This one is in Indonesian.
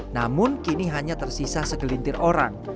namun kini hanya tersisa segelintir orang